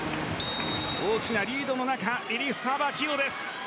大きなリードの中リリーフサーバー起用です。